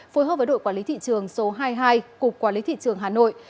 phối hợp với đội quản lý thị trường số hai mươi hai cục quản lý thị trường hà nội